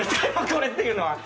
これっていうのは。